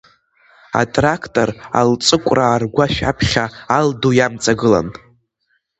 Атрақтор Алҵыкәраа ргәашә аԥхьа ал ду иамҵагылан.